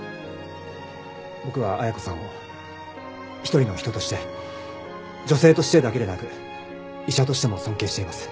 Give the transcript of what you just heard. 僕は綾子さんを一人の人として女性としてだけでなく医者としても尊敬しています。